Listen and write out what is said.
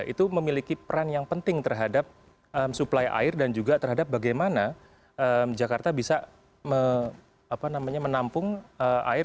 itu memiliki peran yang penting terhadap suplai air dan juga terhadap bagaimana jakarta bisa menampung air